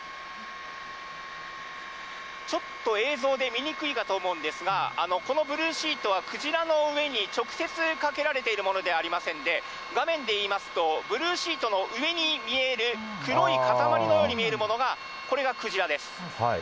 ちょっと映像で見にくいかと思うんですが、このブルーシートは、クジラの上に直接かけられているものではありませんで、画面で言いますと、ブルーシートの上に見える、黒い塊のように見えるものが、これがクジラです。